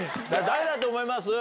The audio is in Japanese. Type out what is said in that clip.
誰だと思います？